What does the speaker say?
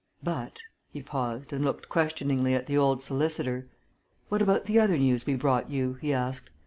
But," he paused and looked questioningly at the old solicitor. "What about the other news we brought you?" he asked.